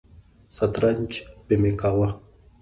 سترنج به مې کاوه.